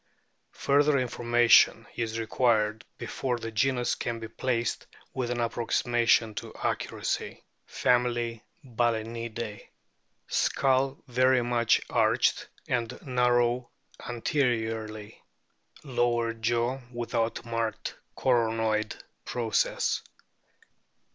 Fur ther information is required before this genus can be placed with an approximation to accuracy. FAMILY, BAL&NIDAE Skull very much arched, and narrow anteriorly ; lower jaw without marked coronoid process.